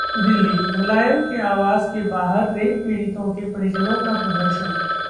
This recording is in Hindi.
दिल्ली: मुलायम के आवास के बाहर रेप पीड़ितों के परिजनों का प्रदर्शन